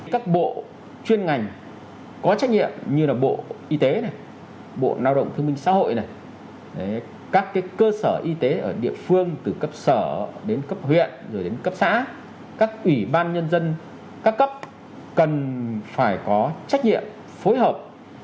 các bộ chuyên ngành có trách nhiệm như là bộ y tế này bộ lao động thương minh xã hội này các cơ sở y tế ở địa phương từ cấp sở đến cấp huyện rồi đến cấp xã các ủy ban nhân dân các cấp cần phải có trách nhiệm phối hợp